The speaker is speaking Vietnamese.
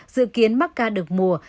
dự kiến macca được mùa